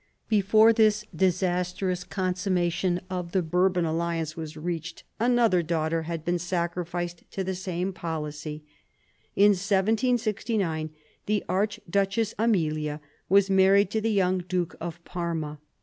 Before this disastrous consummation of the Bourbon alliance was reached, another daughter had been sacri ficed to the same policy. In 1769 the Archduchess Amelia was married to the young Duke of Parma.